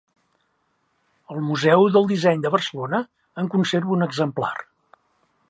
El Museu del Disseny de Barcelona en conserva un exemplar.